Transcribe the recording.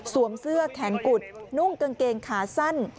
เสื้อแขนกุดนุ่งกางเกงขาสั้น